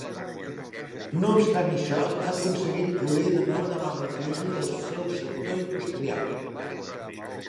No obstant això, ha aconseguit florir de nou davant la crisi del seu sector industrial.